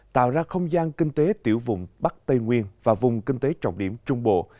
tạo ra không gian kinh tế tiểu vùng bắc tây nguyên và vùng kinh tế trọng điểm trung bộ